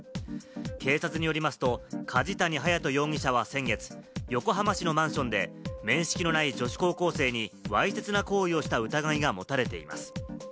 警察によりますと、梶谷隼也人容疑者は先月、横浜市のマンションで面識のない女子高校生にわいせつな行為をした疑いが持たれています。